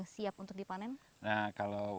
sudah peluang mata menempel menggunakan roti